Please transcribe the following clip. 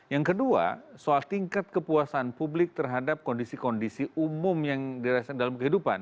yang kedua soal tingkat kepuasan publik terhadap kondisi kondisi umum yang dirasakan dalam kehidupan